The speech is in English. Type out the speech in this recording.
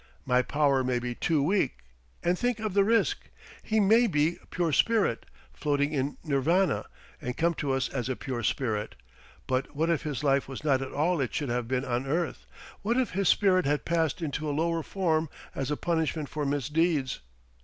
My power may be too weak. And think of the risk. He may be pure spirit, floating in Nirvana, and come to us as a pure spirit, but what if his life was not all it should have been on earth? What if his spirit has passed into a lower form as a punishment for misdeeds?